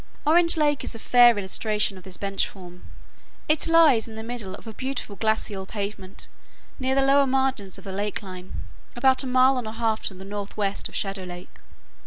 Orange Lake is a fair illustration of this bench form. It lies in the middle of a beautiful glacial pavement near the lower margin of the lake line, about a mile and a half to the northwest of Shadow Lake.